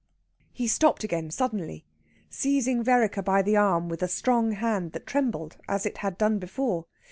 He stopped again suddenly, seizing Vereker by the arm with a strong hand that trembled as it had done before.